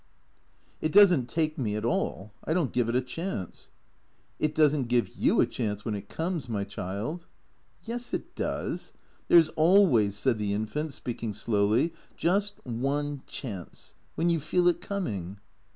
" It does n't take me at all, I don't give it a chance." " It does n't give you a chance, when it comes, my child." " Yes, it does. There 's always," said the Infant, speaking slowly, " just — one — chance. Wlien you feel it coming."